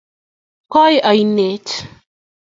koi ainet